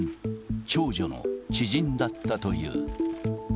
長女の知人だったという。